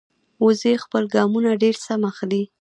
وزې خپل ګامونه ډېر سم اخلي